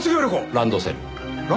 ランドセル？